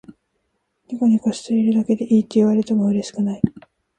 ニコニコしているだけでいいって言われてもうれしくない